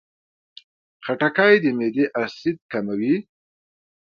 خټکی د معدې اسید کموي.